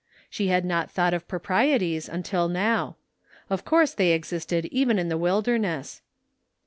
She had not thought of proprieties until now. Of course they existed even in the wilderness.